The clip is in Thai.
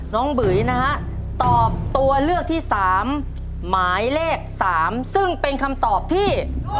บุ๋ยนะฮะตอบตัวเลือกที่๓หมายเลข๓ซึ่งเป็นคำตอบที่